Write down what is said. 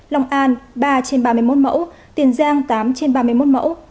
long an ba trên ba mươi một mẫu tiền giang tám trên ba mươi một mẫu